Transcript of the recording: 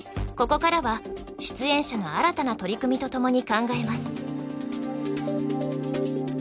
ここからは出演者の新たな取り組みとともに考えます。